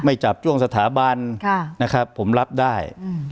ไม่จับจุ่มสถาบันค่ะนะครับผมรับได้อืม